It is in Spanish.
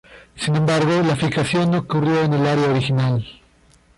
Sin embargo, la fijación no ocurrió en el área original.